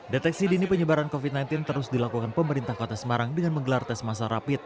deteksi dini penyebaran covid sembilan belas terus dilakukan pemerintah kota semarang dengan menggelar tes masal rapid